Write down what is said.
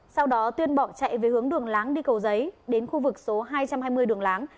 sau đó tuyên bỏ chạy về hướng đường láng đi cầu giấy đến khu vực số hai trăm hai mươi đường láng